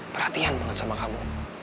perhatian banget sama kamu